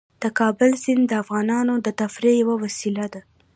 د کابل سیند د افغانانو د تفریح یوه وسیله ده.